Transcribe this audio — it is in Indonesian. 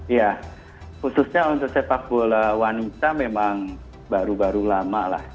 ya khususnya untuk sepak bola wanita memang baru baru lama lah